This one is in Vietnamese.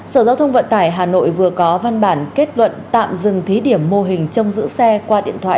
sở giao thông vận tải hà nội vừa có văn bản kết luận tạm dừng thí điểm mô hình trông giữ xe qua điện thoại